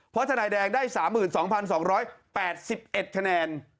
เพราะทนายแดงได้๓๒๒๘๑คะแนน